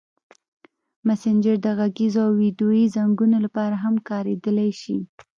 مسېنجر د غږیزو او ویډیويي زنګونو لپاره هم کارېدلی شي.